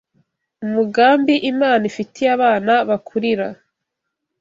Umugambi Imana ifitiye abana bakurira